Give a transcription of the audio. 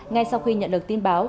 ngay sau khi nhận được tin báo